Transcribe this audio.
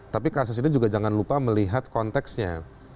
tapi kasus ini juga jangan lupa melihat konteksnya